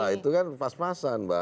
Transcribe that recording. itu kan pas pasan mbak